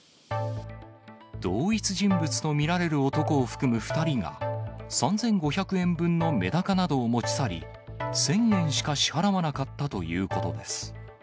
同一人物と見られる男を含む２人が、３５００円分のメダカなどを持ち去り、１０００円しか支払わなかったということです。